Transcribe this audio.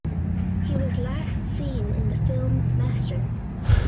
He was last seen in the film "Master".